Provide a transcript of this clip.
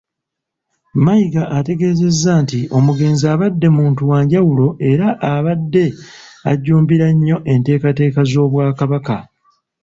Mayiga ategeezezza nti omugenzi abadde muntu wa njawulo era abadde ajjumbira nnyo enteekateeka z'Obwakabaka.